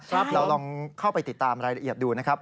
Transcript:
เราลองเข้าไปติดตามรายละเอียดดูนะครับ